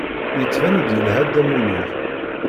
Yettban-d yelha Dda Lmulud.